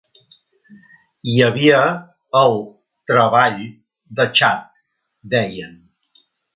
Hi havia el "treball" de Chad, deien.